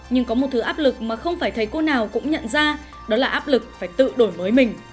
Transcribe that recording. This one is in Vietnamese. nhưng có một thứ áp lực mà không phải thấy cô nào cũng nhận ra đó là áp lực phải tự đổi mới mình